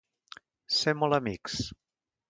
Ser molt amics.